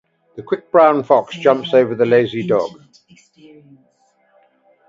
The quick brown fox jumps over the lazy dog.